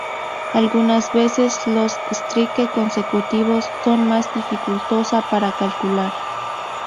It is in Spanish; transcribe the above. Algunas veces los strike consecutivos son más dificultosa para calcular.